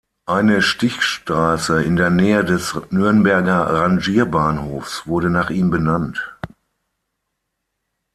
Eine Stichstraße in der Nähe des Nürnberger Rangierbahnhofs wurde nach ihm benannt.